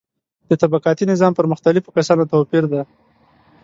د طبقاتي نظام پر مختلفو کسانو توپیر دی.